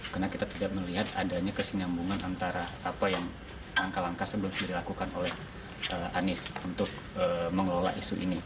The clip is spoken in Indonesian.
karena kita tidak melihat adanya kesenyambungan antara apa yang langkah langkah sebelum dilakukan oleh anies untuk mengelola isu ini